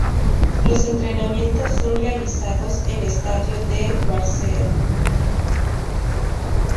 Los entrenamientos son realizados en estadio de Várzea.